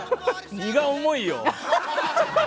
荷が重いよ。